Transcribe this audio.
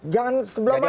jangan sebelah mata loh